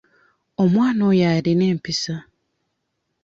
Omwana oyo alina empisa.